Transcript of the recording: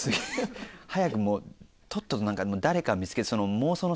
早くもうとっとと誰か見つけて。